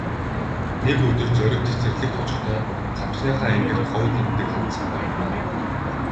Нэг өдөр Зориг цэцэрлэгт очихдоо цамцныхаа энгэрт гоё тэмдэг хадсан байв.